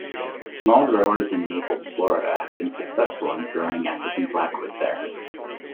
Small growers in Naples, Florida have been successful in growing African blackwood there.